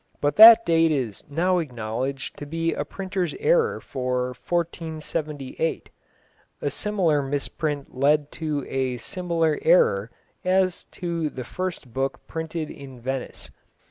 But that date is now acknowledged to be a printer's error for 1478. A similar misprint led to a similar error as to the first book printed in Venice.